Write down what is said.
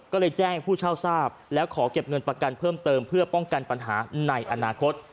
ก็เลยแจ้งผู้เช่าทราบแล้วขอเก็บเงินประกันเพิ่มเติมเพื่อป้องกันปัญหาในอนาคต